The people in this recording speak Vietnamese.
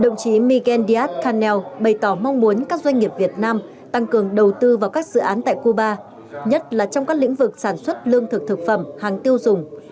nandiyat khanel bày tỏ mong muốn các doanh nghiệp việt nam tăng cường đầu tư vào các dự án tại cuba nhất là trong các lĩnh vực sản xuất lương thực thực phẩm hàng tiêu dùng